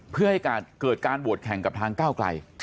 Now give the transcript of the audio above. เพื่อให้เกิดการโหวตแข่งกับทางก้าวไกล